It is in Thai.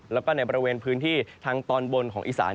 แล้วก็ในบริเวณพื้นที่ทางตอนบนของอีสาน